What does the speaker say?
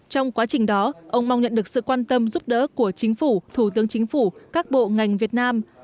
trong quá trình đó ông mong nhận được sự quan tâm giúp đỡ của chính phủ thủ tướng chính phủ các bộ ngành việt nam